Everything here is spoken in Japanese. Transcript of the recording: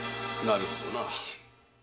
なるほどな。